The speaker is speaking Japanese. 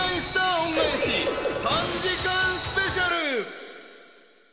［３時間スペシャル］